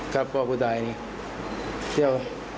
ครับพ่อผู้ตาย